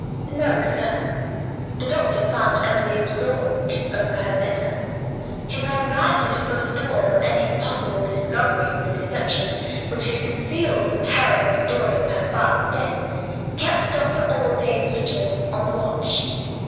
"No, sir." The doctor found Emily absorbed over her letter. His anxiety to forestall any possible discovery of the deception which had concealed the terrible story of her father's death, kept Doctor Allday's vigilance on the watch.